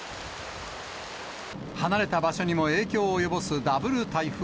離れた場所にも影響を及ぼすダブル台風。